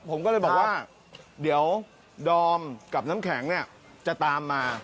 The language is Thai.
ผมก็เลยบอกว่าเดี๋ยวดอมกับน้ำแข็งเนี่ยจะตามมา